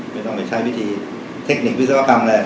ไม่ต้องไปใช้วิธีเทคนิควิศวกรรมอะไร